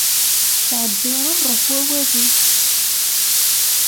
Ttɛebbiṛeɣ ɣef wawal-ik.